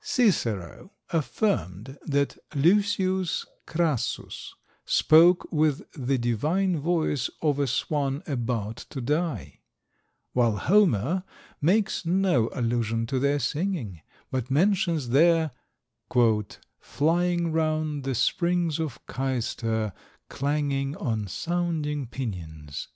Cicero affirmed that Lucius Crassus spoke with the divine voice of a swan about to die; while Homer makes no allusion to their singing, but mentions their "flying round the springs of Cayster, clanging on sounding pinions."